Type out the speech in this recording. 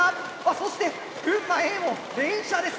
そして群馬Ａも連射です